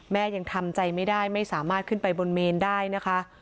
ยังทำใจไม่ได้ไม่สามารถขึ้นไปบนเมนได้นะคะ